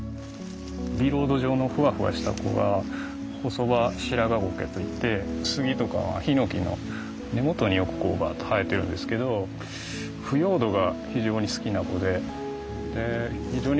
ビロード状のふわふわした子がホソバシラガゴケといって杉とかヒノキの根元によくバッと生えてるんですけど腐葉土が非常に好きな子で非常に乾燥に強い。